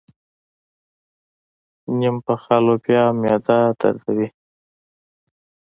نيم پخه لوبیا معده دردوي.